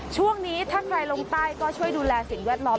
ช่วงนี้ถ้าใครลงใต้ก็ช่วยดูแลสิ่งแวดล้อม